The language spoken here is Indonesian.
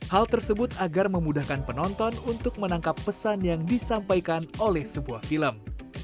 hal tersebut agar memudahkan penonton untuk menangkap pesan yang disampaikan oleh sebuah film